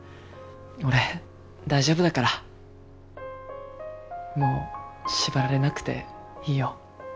俺大丈夫だからもう縛られなくていいよ。